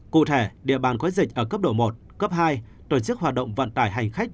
cụ thể địa bàn có dịch ở cấp độ một cấp hai tổ chức hoạt động vận tải hành khách